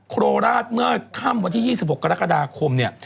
โคราชเมื่อค่ำวันที่๒๖กรกฎาคมเนี่ย